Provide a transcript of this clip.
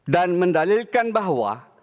dan mendalilkan bahwa